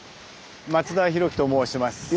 松田博貴と申します。